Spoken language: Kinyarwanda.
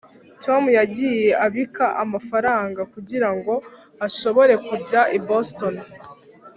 tom yagiye abika amafaranga kugirango ashobore kujya i boston